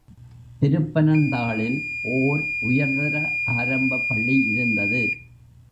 திருப்பனந்தாளில் ஓர் உயர்தர ஆரம்பப் பள்ளியிருந்தது.